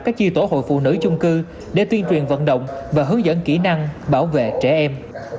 các chi tổ hội phụ nữ chung cư để tuyên truyền vận động và hướng dẫn kỹ năng bảo vệ trẻ em